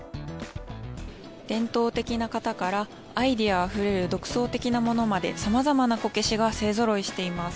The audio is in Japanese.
伝統的な型からアイデアあふれる独創的なものまでさまざまなこけしが勢ぞろいしています。